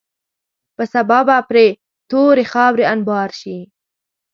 په سبا به پرې تورې خاورې انبار شي.